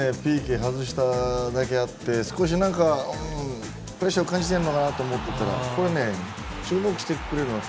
ＰＫを外しただけあって少し何かプレッシャーを感じているのかなと思っていたらここで注目したいのは